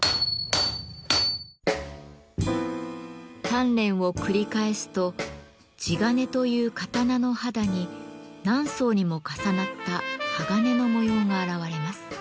鍛錬を繰り返すと地鉄という刀の肌に何層にも重なった鋼の模様が現れます。